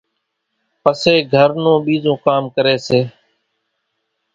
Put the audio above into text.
پسي گھر نون ٻِيزون ڪام ڪري سي